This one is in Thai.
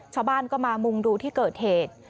ชาวบ้านก็มามุงดูที่เกิดเหตุ